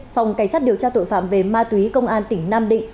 phòng cảnh sát điều tra tội phạm về ma túy công an tỉnh nam định